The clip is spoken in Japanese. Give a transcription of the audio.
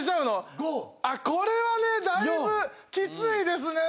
５４これはねだいぶきついですね